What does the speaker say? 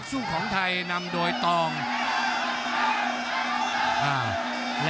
ภูตวรรณสิทธิ์บุญมีน้ำเงิน